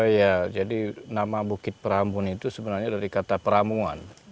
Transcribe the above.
ya jadi nama bukit peramun itu sebenarnya dari kata peramuan